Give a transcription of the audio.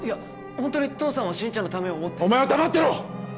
ホントに父さんは心ちゃんのためを思ってお前は黙ってろ！